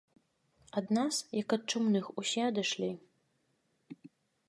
Ад нас, як ад чумных, усе адышлі.